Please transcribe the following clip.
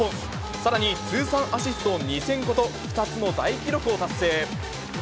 さらに通算アシスト２０００個と、２つの大記録を達成。